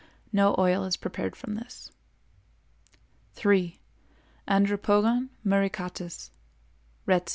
No oil is prepared from this. 3. Andropogon muricatus Retz.